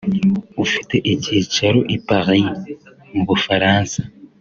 ufite icyicaro i Paris mu Bufaransa